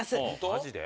マジで？